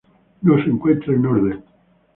No se encuentra en orden.